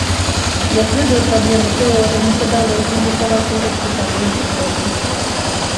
Даследуе праблемы тэорыі, метадалогіі літаратуры, псіхалогіі творчасці.